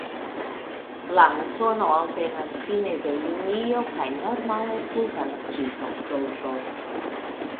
La musono alvenas fine de junio kaj normale pluvas ĝis oktobro.